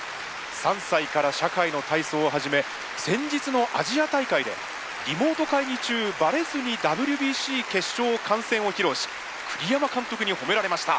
３歳から社会の体操を始め先日のアジア大会で「リモート会議中バレずにＷＢＣ決勝を観戦」を披露し栗山監督に褒められました。